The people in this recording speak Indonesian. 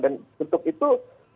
dan untuk itu